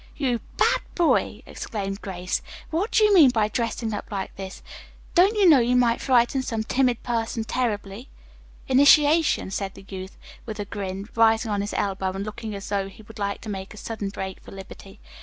"You bad boy!" exclaimed Grace. "What do you mean by dressing up like this? Don't you know you might frighten some timid person terribly?" "Initiation," said the youth, with a grin, rising on his elbow and looking as though he would like to make a sudden break for liberty.